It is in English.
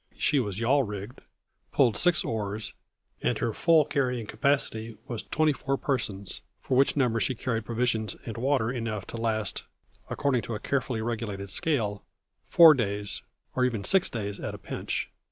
She was yawl rigged, pulled six oars, and her full carrying capacity was twenty four persons, for which number she carried provisions and water enough to last, according to a carefully regulated scale, four days, or even six days at a pinch.